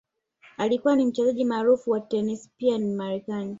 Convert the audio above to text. Alikuwa ni Mchezaji maarufu wa tenisi pia ni Mmarekani